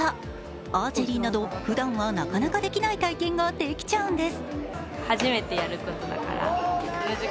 アーチェリーなど、ふだんはなかなかできない体験ができちゃうんです。